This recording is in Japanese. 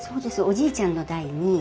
おじいちゃんの代に。